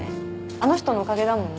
あの人のおかげだもんね